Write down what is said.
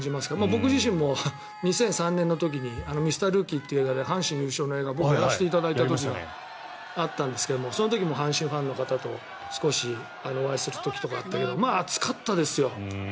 僕自身も２００３年の時に「ミスタールーキー」という映画で阪神優勝の映画を僕、やらせてもらったんですけどその時も阪神ファンの方と少しお会いする時があったけど熱かったですよ